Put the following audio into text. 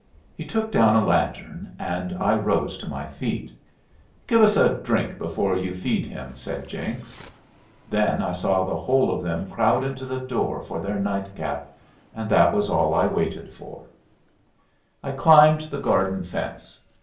He took down a lantern, and I rose to my feet. "Give us a drink before you feed him," said Jenks. Then I saw the whole of them crowd into the door for their nightcap, and that was all I waited for. I climbed the garden fence.